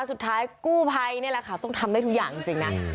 สุดท้ายกู้ภัยนี่แหละค่ะต้องทำได้ทุกอย่างจริงนะ